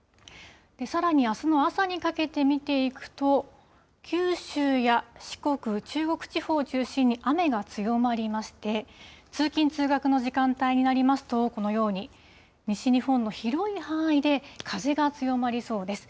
さらにあすの朝にかけて見ていくと、九州や四国、中国地方を中心に雨が強まりまして、通勤・通学の時間帯になりますと、このように西日本の広い範囲で風が強まりそうです。